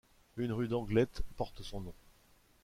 Une rue d'Anglet porte son nom.